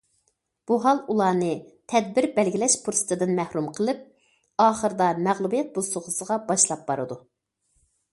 بۇ ھال ئۇلارنى تەدبىر بەلگىلەش پۇرسىتىدىن مەھرۇم قىلىپ، ئاخىرىدا مەغلۇبىيەت بوسۇغىسىغا باشلاپ بارىدۇ.